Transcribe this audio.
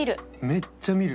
「めっちゃ見る」。